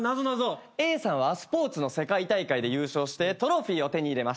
Ａさんはスポーツの世界大会で優勝してトロフィーを手に入れました。